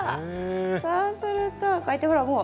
そうするとこうやってほらもう。